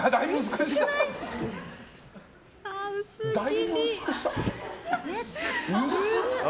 だいぶ薄くした。